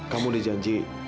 kamu udah janji